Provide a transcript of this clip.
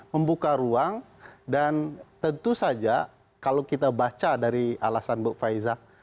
membuka ruang dan tentu saja kalau kita baca dari alasan buk faizah